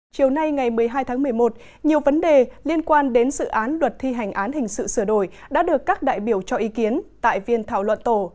chiều nay ngày một mươi hai tháng một mươi một nhiều vấn đề liên quan đến dự án luật thi hành án hình sự sửa đổi đã được các đại biểu cho ý kiến tại viên thảo luận tổ